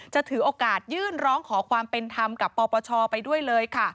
ถือโอกาสยื่นร้องขอความเป็นธรรมกับปปชไปด้วยเลยค่ะ